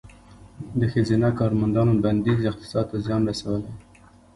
د ښځینه کارمندانو بندیز اقتصاد ته زیان رسولی؟